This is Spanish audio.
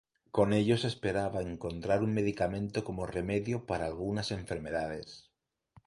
Con ello se esperaba encontrar un medicamento como remedio para algunas enfermedades.